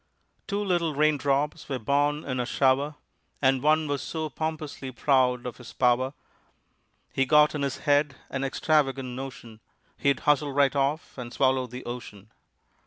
Two little raindrops were born in a shower, And one was so pompously proud of his power, He got in his head an extravagant notion He'd hustle right off and swallow the ocean.